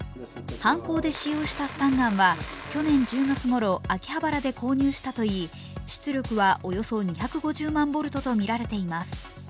犯行で使用したスタンガンは去年１０月ごろ、秋葉原で購入したといい出力はおよそ２５０万ボルトとみられています。